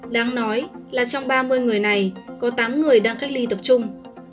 đáng nói là trong ba mươi người này có tám người đang cách ly tập trung